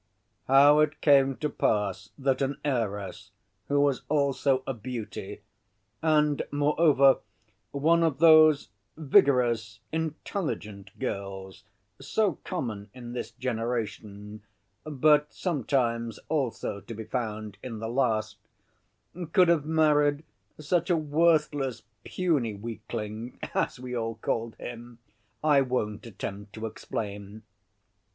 How it came to pass that an heiress, who was also a beauty, and moreover one of those vigorous, intelligent girls, so common in this generation, but sometimes also to be found in the last, could have married such a worthless, puny weakling, as we all called him, I won't attempt to explain.